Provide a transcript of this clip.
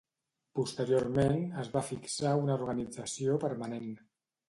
Posteriorment es va fixar una organització permanent.